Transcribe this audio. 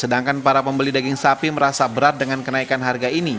sedangkan para pembeli daging sapi merasa berat dengan kenaikan harga ini